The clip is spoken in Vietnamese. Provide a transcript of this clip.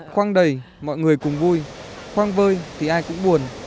khoang đầy mọi người cùng vui khoang vơi thì ai cũng buồn